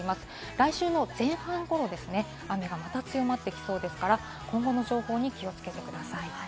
来週の前半頃ですね、雨がまた強まっていきそうですから、今後の情報にお気をつけください。